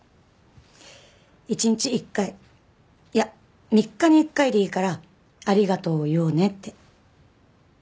１日１回いや３日に１回でいいから「ありがとう」を言おうねって。